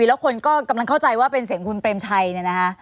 แล้วคนก็กำลังเข้าใจว่าเป็นเสียงคุณเปรมชัยเนี่ยนะคะ